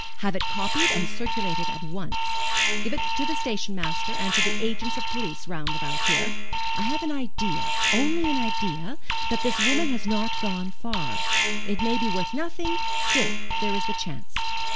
Have it copied and circulate it at once. Give it to the station master, and to the agents of police round about here. I have an idea only an idea that this woman has not gone far. It may be worth nothing, still there is the chance.